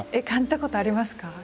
感じたことありますか？